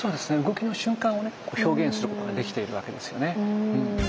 動きの瞬間をね表現することができているわけですよね。